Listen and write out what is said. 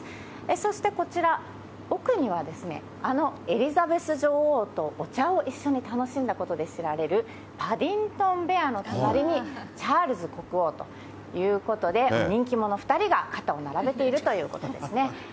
そしてこちら、奥にはあのエリザベス女王とお茶を一緒に楽しんだことで知られるパディントンベアの隣にチャールズ国王ということで、人気者２人が肩を並べているということですね。